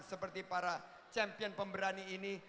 seperti para champion pemberani ini